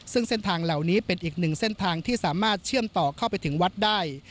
ซึ่งเส้นทางเหล่านี้เป็นอีกหนึ่งเส้นทางที่สามารถเชื่อมต่อเข้าไปถึงวัดได้